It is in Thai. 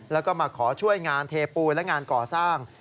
แล้วก็มาขอช่วยงานเทปูนและงานก่อสร้าง